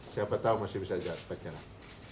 siapa tahu masih bisa jalan